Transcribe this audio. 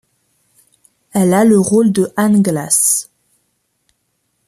Elle a le rôle de Anne Glasse.